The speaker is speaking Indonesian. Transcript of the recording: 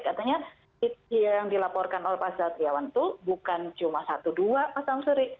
bukannya itu yang dilaporkan oleh pak satriwan itu bukan cuma satu dua paskah masuri